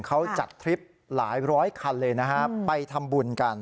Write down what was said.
เขาจัดทริปหลายร้อยคันเลยนะฮะไปทำบุญกัน